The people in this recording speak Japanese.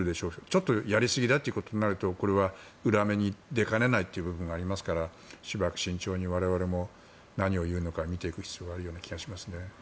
ちょっとやりすぎだということになるとこれは裏目に出かねない部分がありますからしばらく慎重に我々も何を言うのか見ていく必要があるような気がしますね。